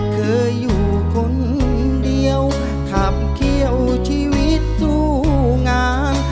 เคยอยู่คนเดียวขับเขี้ยวชีวิตสู้งาน